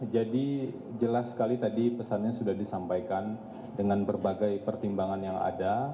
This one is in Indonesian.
jadi jelas sekali tadi pesannya sudah disampaikan dengan berbagai pertimbangan yang ada